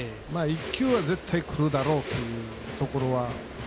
１球は絶対にくるだろうというところは。